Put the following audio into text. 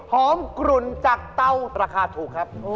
กลุ่นจากเตาราคาถูกครับ